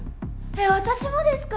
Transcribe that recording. えっ私もですか？